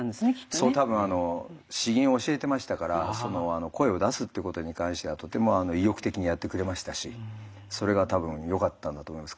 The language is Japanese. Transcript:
そう多分詩吟を教えてましたから声を出すっていうことに関してはとても意欲的にやってくれましたしそれが多分よかったんだと思います。